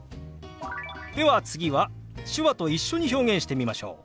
では次は手話と一緒に表現してみましょう。